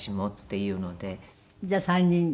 じゃあ３人で？